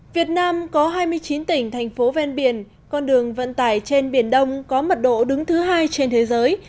việt nam có hai mươi chín tỉnh thành phố ven biển con đường vận tải trên biển đông có mật độ đứng thứ hai trên thế giới